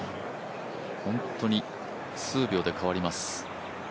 本当に数秒で変わります。